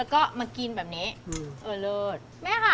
เอาไว้พันติ